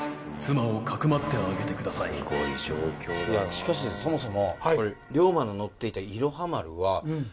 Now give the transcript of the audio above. しかしそもそも。